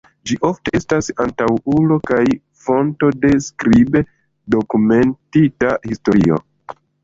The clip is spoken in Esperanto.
Ĝi ofte estas antaŭulo kaj fonto de skribe dokumentita historio.